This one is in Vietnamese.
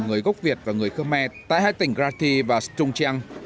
người gốc việt và người khơ me tại hai tỉnh grati và stung trang